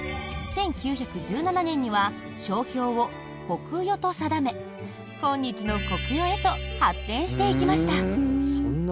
１９１７年には商標を國誉と定め今日のコクヨへと発展していきました。